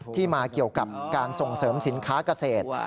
ที่มาเกี่ยวกับการส่งเสริมสินค้าเกษตร